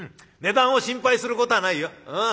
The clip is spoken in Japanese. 値段を心配することはないよ。